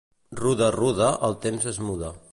Ruda, ruda, el temps es muda.